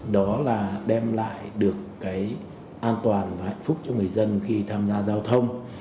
đó là đem lại được cái an toàn và hạnh phúc cho người dân khi tham gia giao thông